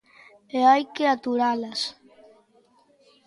E hai que aturalas.